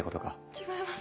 違います。